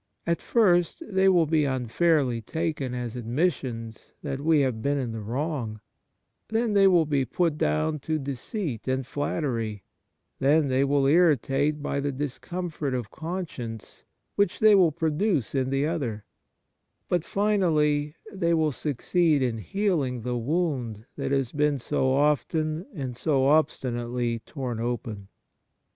At first they will be unfairly taken as admis sions that we have been in the wrong ;\ then they will be put down to deceit and ■ flattery ; then they will irritate by the dis comfort of conscience which they will pro duce in the other ; but finally they will jsucceed in healing the wound that has been iso often and so obstinately torn open.